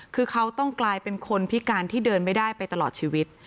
คือเขาต้องกลายเป็นคนพิการที่เดินไม่ได้ไปตลอดชีวิต